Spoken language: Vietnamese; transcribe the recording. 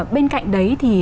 bên cạnh đấy thì